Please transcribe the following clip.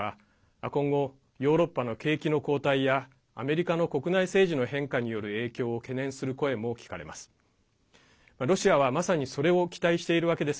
今後、ヨーロッパの景気の後退やアメリカの国内政治の変化による影響を懸念する声も聞かれます。